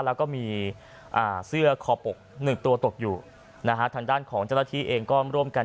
แล้วก็มีเสื้อคอปก๑ตัวตกอยู่นะฮะทางด้านของเจ้าหน้าที่เองก็ร่วมกัน